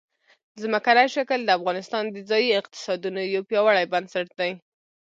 ځمکنی شکل د افغانستان د ځایي اقتصادونو یو پیاوړی بنسټ دی.